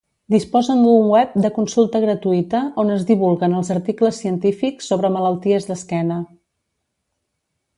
Disposa d'un web de consulta gratuïta, on es divulguen els articles científics sobre malalties d'esquena.